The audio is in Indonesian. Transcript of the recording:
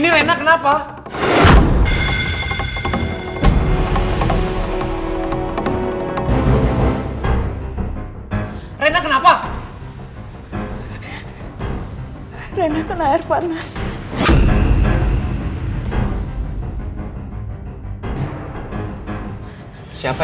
tidak ada yang bisa dihukum